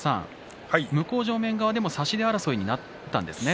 向正面側でも差し手争いになったんですね。